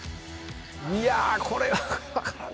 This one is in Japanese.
いやこれは分からんな